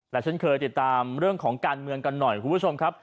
และฉันเคยติดตามเรื่องของการเมืองกันหน่อยคุณผู้ชมครับ